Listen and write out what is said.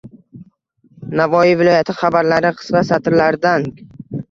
Navoiy viloyati xabarlari – qisqa satrlardang